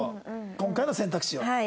今回の選択肢は。